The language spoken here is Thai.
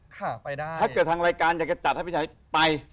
ถ้าเกิดทางรายการอยากจะจัดให้ไปไหนไป